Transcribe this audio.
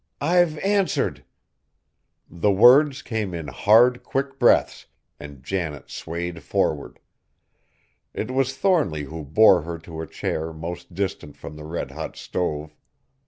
I've answered!" The words came in hard, quick breaths, and Janet swayed forward. It was Thornly who bore her to a chair most distant from the red hot stove.